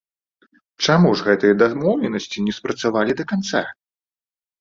Чаму ж гэтыя дамоўленасці не спрацавалі да канца?